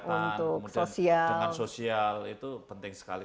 kemudian dengan sosial itu penting sekali